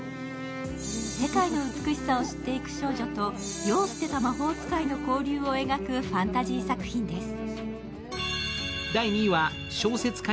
世界の美しさを知っていく少女と世を捨てた魔法使いの交流を描くファンタジー作品です。